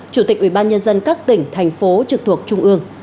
chủ tịch ubnd các tỉnh thành phố trực thuộc trung ương